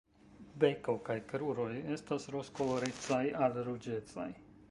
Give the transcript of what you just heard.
Beko kaj kruroj estas rozkolorecaj al ruĝecaj.